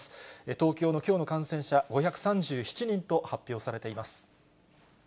東京のきょうの感染者５３７人と発表されています。